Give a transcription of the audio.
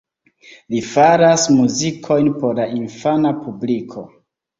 Li faras muzikojn por la infana publiko.